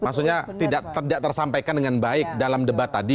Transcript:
maksudnya tidak tersampaikan dengan baik dalam debat tadi